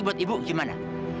buat ibu gimana